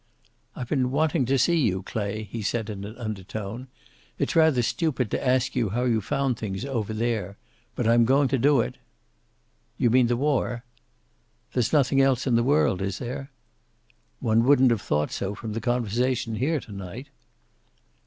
"I've been wanting to see you, Clay," he said in an undertone. "It's rather stupid to ask you how you found things over there. But I'm going to do it." "You mean the war?" "There's nothing else in the world, is there?" "One wouldn't have thought so from the conversation here to night."